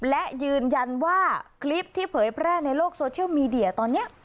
และยืนยันว่าคลิปที่เผยแพร่ในโลกโซเชียลมีเดียตอนนี้